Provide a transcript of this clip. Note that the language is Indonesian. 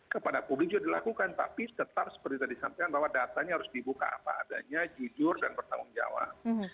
kepada publik juga dilakukan tapi tetap seperti tadi sampaikan bahwa datanya harus dibuka apa adanya jujur dan bertanggung jawab